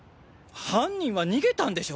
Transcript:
犯人は逃げたんでしょ！